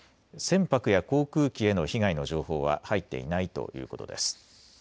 船舶や航空機への被害の情報は入っていないということです。